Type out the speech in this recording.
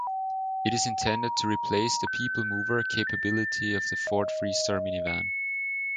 It is intended to replace the people-mover capability of the Ford Freestar minivan.